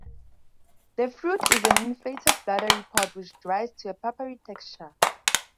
The fruit is an inflated bladdery pod which dries to a papery texture.